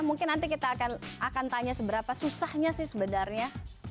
mungkin nanti kita akan tanya seberapa susahnya sih sebenarnya